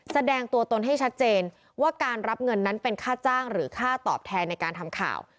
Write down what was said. แสดงตัวตนให้ชัดเจนว่าการรับเงินนั้นเป็นค่าจ้างหรือค่าตอบแทนในการทำข่าว